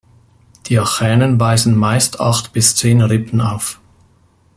Die Achänen weisen meist acht bis zehn Rippen auf.